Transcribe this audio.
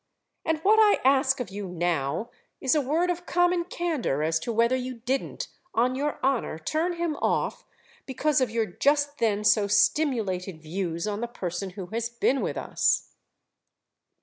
And what I ask of you now is a word of common candour as to whether you didn't, on your honour, turn him off because of your just then so stimulated views on the person who has been with us."